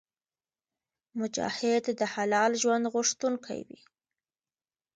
مجاهد د حلال ژوند غوښتونکی وي.